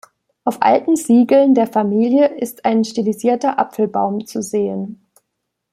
Auf alten Siegeln der Familie ist ein stilisierter Apfelbaum zu sehen.